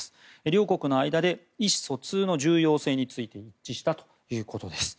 両国の間で意思疎通の重要性について一致したということです。